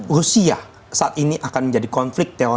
rusia saat ini akan menjadi konflik terorisme